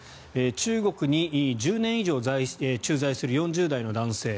中国に１０年以上駐在する４０代の男性。